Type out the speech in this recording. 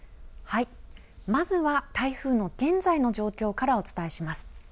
まずは台風の現在の状況からお伝えします。